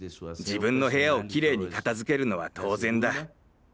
自分の部屋をきれいに片づけるのは当然だ。